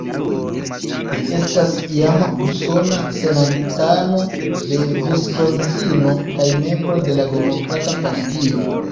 Li estas iama usona senatano de Viskonsino kaj membro de la Demokrata Partio.